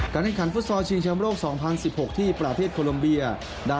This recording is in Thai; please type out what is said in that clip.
การแรงขันฟุตซอร์ชิงชำโลก๒๐๑๖ที่ประเทศโคลมบียา